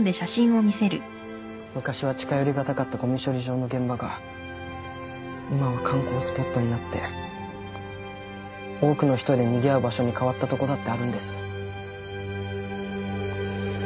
昔は近寄りがたかったごみ処理場の現場が今は観光スポットになって多くの人でにぎわう場所に変わったとこだってあるんです。